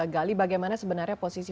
gali bagaimana sebenarnya posisi